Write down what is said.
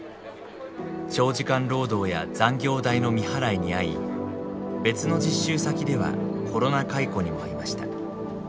長時間労働や残業代の未払いに遭い別の実習先ではコロナ解雇にも遭いました。